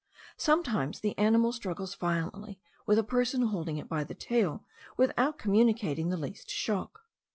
Sometimes the animal struggles violently with a person holding it by the tail, without communicating the least shock.